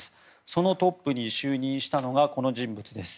そのトップに就任したのがこの人物です。